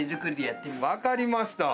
分かりました